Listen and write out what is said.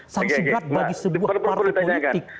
sanksi berat bagi sebuah partai politik